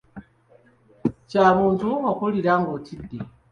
Kya buntu okuwulira ng’otidde.